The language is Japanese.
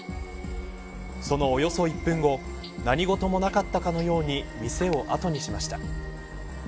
そのおよそ１分後何事もなかったかのように店をあとにしました。